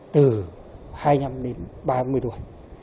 từ hai năm đến ba mươi tuổi